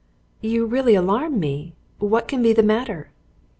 "You really alarm me. What can be the matter?"